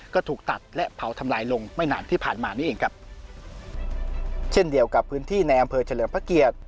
ก็ถูกตัดและเผาทำลายลงไม่นานที่ผ่านมานี่เองครับเช่นเดียวกับพื้นที่ในอำเภอเฉลิมพระเกียรติ